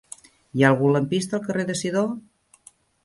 Hi ha algun lampista al carrer de Sidó?